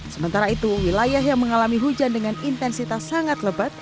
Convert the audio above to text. sementara itu wilayah yang mengalami hujan dengan intensitas sangat lebat